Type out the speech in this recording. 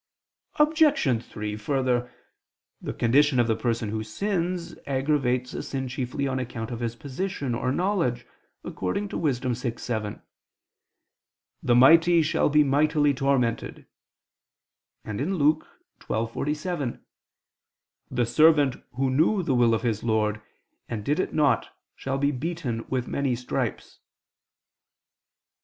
Obj. 3: Further, the condition of the person who sins aggravates a sin chiefly on account of his position or knowledge, according to Wis. 6:7: "The mighty shall be mightily tormented," and Luke 12:47: "The servant who knew the will of his lord ... and did it not ... shall be beaten with many stripes."